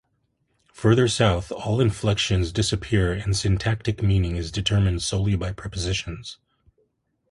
Further south, all inflections disappear and syntactic meaning is determined solely by prepositions.